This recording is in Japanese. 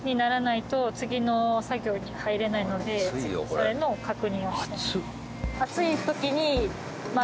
それの確認をしてます。